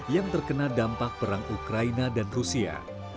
yang terkena dampak perang ukraina dan rusia